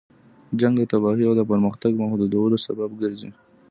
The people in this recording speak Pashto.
جنګ د تباهۍ او د پرمختګ محدودولو سبب ګرځي.